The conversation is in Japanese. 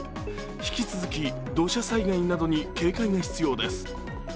引き続き土砂災害などに警戒が必要です。